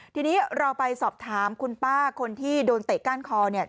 ทีนี้เราไปสอบถามคุณป้าคนที่โดนเตะก้านคอเนี่ย